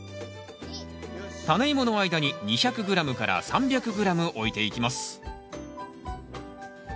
タネイモの間に２００ｇ３００ｇ置いていきます。